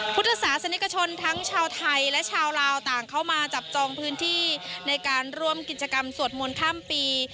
พุทธศาสนิกชนทั้งชาวไทยและชาวลาวต่างเข้ามาจับจองพื้นที่ในการร่วมกิจกรรมสวดมนต์ข้ามปี